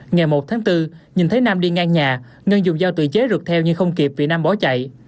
ngày một tháng bốn nhìn thấy nam đi ngang nhà ngân dùng dao tự chế rượt theo nhưng không kịp vì nam bỏ chạy